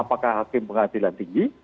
apakah hakim pengadilan tinggi